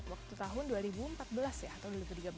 waktu tahun dua ribu empat belas ya atau dua ribu tiga belas